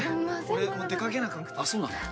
俺もう出かけなあかんくてあっそうなんだ